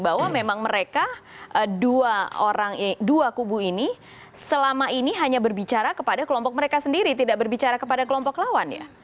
bahwa memang mereka dua kubu ini selama ini hanya berbicara kepada kelompok mereka sendiri tidak berbicara kepada kelompok lawan ya